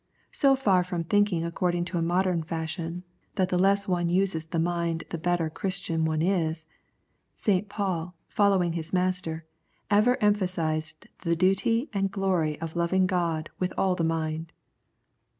So far from thinking according to a modern fashion that the less one uses the mind the better Christian one is, St. Paul, following his Master, ever emphasised the duty and glory of loving God "with all the mind."